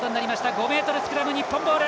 ５ｍスクラム、日本ボール。